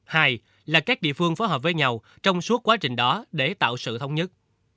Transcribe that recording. hai là các địa phương phối hợp với nhau trong suốt quá trình đó để tạo sự thống nhất